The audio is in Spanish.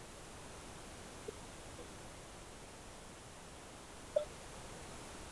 El sistema de transporte por ferrocarril se ve muy sobrecargado durante este período.